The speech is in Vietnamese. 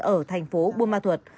ở thành phố bùa ma thuật